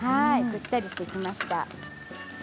くったりしてきました。